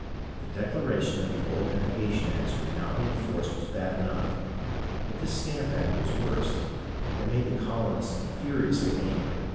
The declaration that the old navigation acts would now be enforced was bad enough, but this Stamp Act was worse, and made the colonists furiously angry.